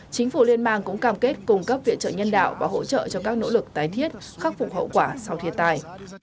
chính phủ liên bang cũng cam kết cung cấp viện trợ nhân đạo và hỗ trợ cho các nỗ lực tái thiết khắc phục hậu quả sau thiên tai